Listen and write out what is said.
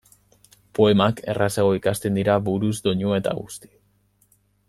Poemak errazago ikasten dira buruz doinua eta guzti.